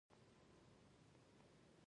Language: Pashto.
اتریشیانو اوه ویشتم لښکر په شا تنبولی دی.